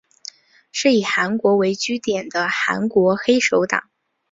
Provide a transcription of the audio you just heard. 是以韩国为据点的韩国黑手党。